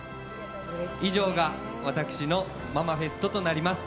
以上が私のママフェストとなります。